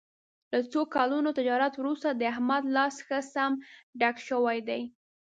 له څو کلونو تجارت ورسته د احمد لاس ښه سم ډک شوی دی.